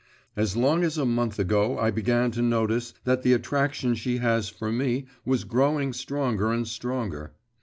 As long as a month ago I began to notice that the attraction she has for me was growing stronger and stronger.